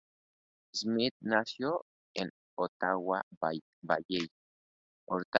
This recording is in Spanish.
Smits nació en Ottawa Valley, Ontario, Canadá.